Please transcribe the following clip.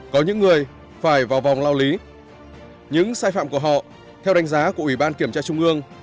có những người phải vào vòng lao lý những sai phạm của họ theo đánh giá của ủy ban kiểm tra trung ương